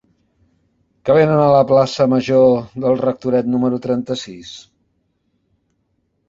Què venen a la plaça Major del Rectoret número trenta-sis?